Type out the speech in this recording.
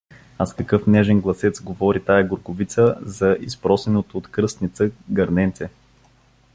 А с какъв нежен гласец говори тая гургувица за изпросеното от кръстница гърненце!